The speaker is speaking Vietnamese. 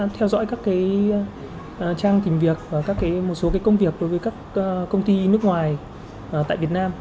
trang tìm việc và một số công việc đối với các công ty nước ngoài tại việt nam